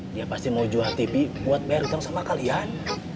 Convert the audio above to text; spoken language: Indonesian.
dia pasti mau jual tv buat bayar utang sama kalian